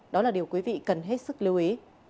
đó là điều quý vị cần hết sức lưu ý